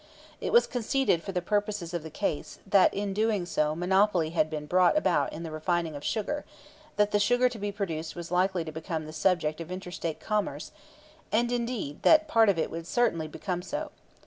It was conceded for the purposes of the case, that in doing so monopoly had been brought about in the refining of sugar, that the sugar to be produced was likely to become the subject of interstate commerce, and indeed that part of it would certainly become so.